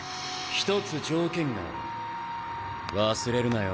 １つ条件がある忘れるなよ。